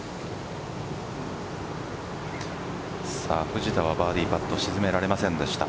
藤田はバーディーパット沈められませんでした。